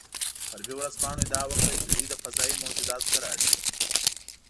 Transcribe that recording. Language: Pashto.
غربي ورځپاڼو ادعا وکړه چې دوی له فضايي موجوداتو سره اړیکه لري